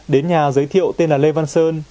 đến nhà giới thiệu tên là lê văn sơn